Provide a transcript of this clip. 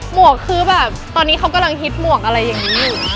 หวกคือแบบตอนนี้เขากำลังฮิตหมวกอะไรอย่างนี้อยู่